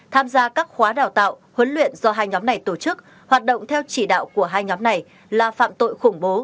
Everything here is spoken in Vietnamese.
tham gia các khóa đào tạo huấn luyện do hai nhóm này tổ chức hoạt động theo chỉ đạo của hai nhóm này là phạm tội khủng bố